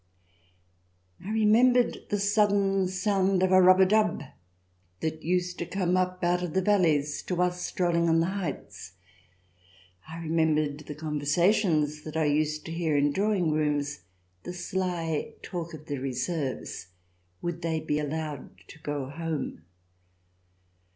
I remembered the sudden sound of rub a dub that used to come up out of the valleys to us strolling on the heights. I remembered the conversations that I used to hear in drawing rooms, the sly talk of the Reserves — would they be allowed to go home